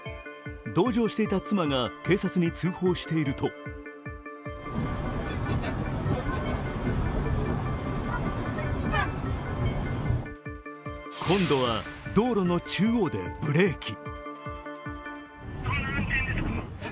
同乗していた妻が警察に通報していると今度は道路の中央でブレーキ。